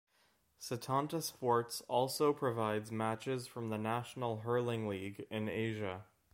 Setanta Sports also provides matches from the National Hurling League in Asia.